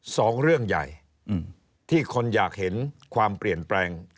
สองเรื่องใหญ่ที่คนอยากเห็นความเปลี่ยนแปลง